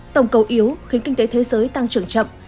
tổng cầu yếu khiến kinh tế thế giới tăng trưởng chậm